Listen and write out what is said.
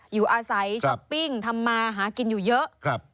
อยู่อาศัยช้อปปิ้งทำมาหากินอยู่เยอะ